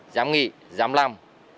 dám nghỉ dám làm